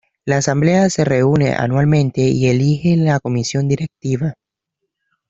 La asamblea se reúne anualmente y elige la Comisión Directiva.